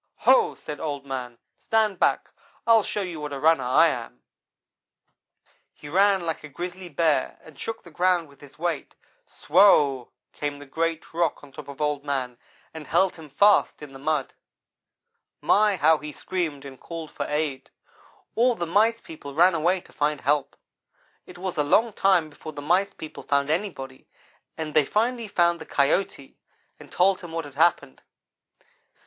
"'Ho!' said Old man, 'stand back! I'll show you what a runner I am.' "He ran like a grizzly bear, and shook the ground with his weight. Swow! came the great rock on top of Old man and held him fast in the mud. My! how he screamed and called for aid. All the Mice people ran away to find help. It was a long time before the Mice people found anybody, but they finally found the Coyote, and told him what had happened.